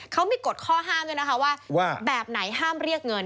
เขามีกฎข้อห้ามด้วยนะคะว่าแบบไหนห้ามเรียกเงิน